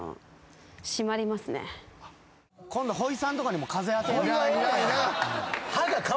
今度ほいさんとかにも風当てよう。